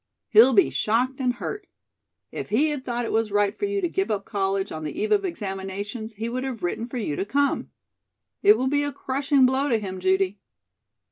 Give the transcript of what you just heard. He'll be shocked and hurt. If he had thought it was right for you to give up college on the eve of examinations, he would have written for you to come. It will be a crushing blow to him, Judy."